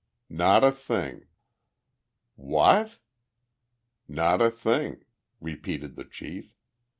"Not a thing!" "What?" "Not a thing!" repeated the chief.